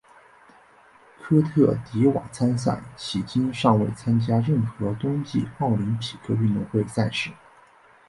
科特迪瓦参赛迄今尚未参与任何冬季奥林匹克运动会赛事。